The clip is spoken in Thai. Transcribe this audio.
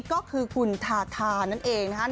ก็คือคุณธาธานั่นเองนะคะ